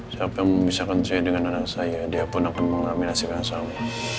siapa yang memisahkan saya dengan anak saya dia pun akan mengaminasikan sama